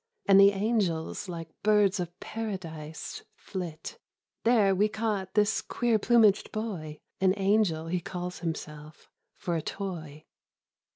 And the angels like birds of paradise Flit ; there we caught this quecr plumaged boy (An angel, he calls himself) for a toy."